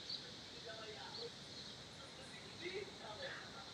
Listina zahrnuje i nové výzvy, kterým dnes naše společnost čelí.